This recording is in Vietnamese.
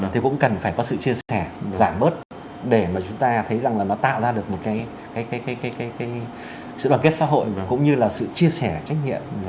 thì cũng cần phải có sự chia sẻ giảm bớt để mà chúng ta thấy rằng là nó tạo ra được một cái sự đoàn kết xã hội và cũng như là sự chia sẻ trách nhiệm